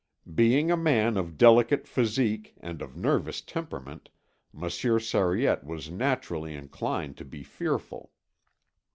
Being a man of delicate physique and of nervous temperament, Monsieur Sariette was naturally inclined to be fearful.